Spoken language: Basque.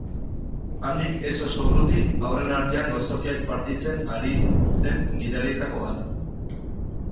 Handik ez oso urruti, haurren artean gozokiak partitzen ari zen gidarietako bat.